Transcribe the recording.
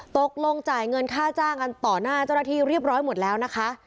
ตกลงจ่ายเงินค่าจ้างกันต่อหน้าเจ้าหน้าที่เรียบร้อยหมดแล้วนะคะ